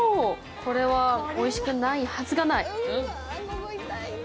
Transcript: これはおいしくないはずがない！